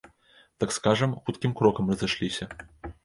Так скажам, хуткім крокам разышліся.